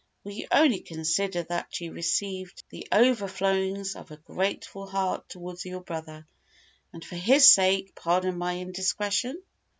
Will you only consider that you received the overflowings of a grateful heart towards your brother, and for his sake pardon my indiscretion?"